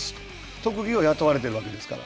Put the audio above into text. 特技を雇われてるわけですから。